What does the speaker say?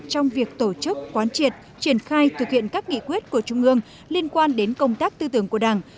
trong việc tổ chức quán triệt triển khai thực hiện các nghị quyết của trung ương liên quan đến công tác tư tưởng của đảng